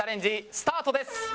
スタートです！